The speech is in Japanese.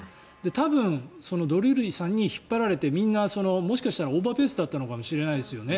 多分ドルーリーさんに引っ張られてみんなオーバーペースだったのかもしれないですね。